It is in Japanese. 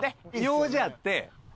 用事あって。